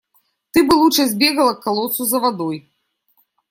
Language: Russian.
Ты бы лучше сбегала к колодцу за водой.